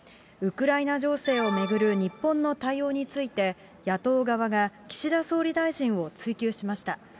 ウクライナ情勢を巡る日本の対応について、野党側が岸田総理大臣を追及しました。